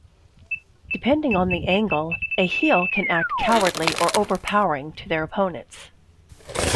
Depending on the angle, a heel can act cowardly or overpowering to their opponents.